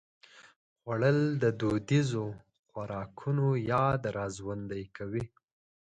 خوړل د دودیزو خوراکونو یاد راژوندي کوي